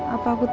apa aku tegas